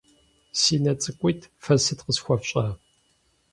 - Си нэ цӏыкӏуитӏ, фэ сыт къысхуэфщӏа?